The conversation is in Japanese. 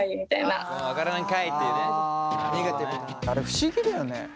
あれ不思議だよね。